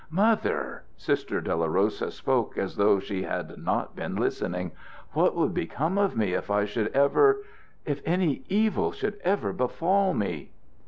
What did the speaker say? "Mother!" Sister Dolorosa spoke as though she had not been listening. "What would become of me if I should ever if any evil should ever befall me?"